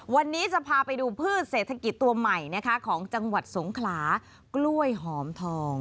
วันนี้จะพาไปดูพืชเศรษฐกิจตัวใหม่นะคะของจังหวัดสงขลากล้วยหอมทอง